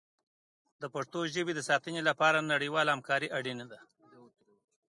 د پښتو ژبې د ساتنې لپاره نړیواله همکاري اړینه ده.